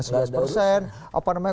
gak ada usahanya